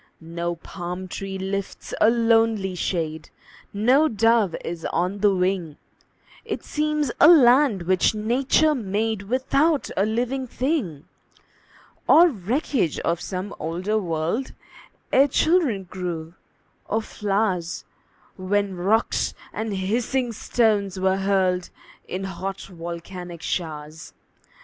No palm tree lifts a lonely shade, No dove is on the wing; It seems a land which Nature made Without a living thing, Or wreckage of some older world, Ere children grew, or flowers, When rocks and hissing stones were hurled In hot, volcanic showers.